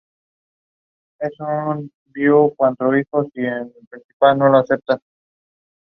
He then wrote music for numerous films in Mexico.